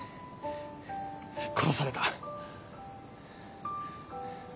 殺された。